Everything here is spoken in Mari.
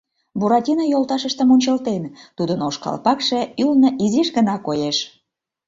Буратино йолташыштым ончылтен, — тудын ош калпакше ӱлнӧ изиш гына коеш.